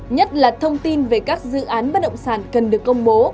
nhất là thông tin về các dự án bất động sản cần được công bố